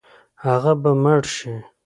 هغه به مړ شي.